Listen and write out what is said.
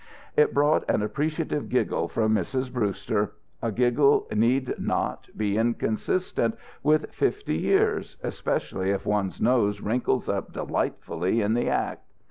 It brought an appreciative giggle from Mrs. Brewster. A giggle need not be inconsistent with fifty years, especially if one's nose wrinkles up delightfully in the act.